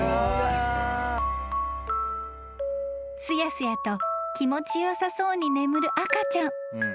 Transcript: ［すやすやと気持ちよさそうに眠る赤ちゃん］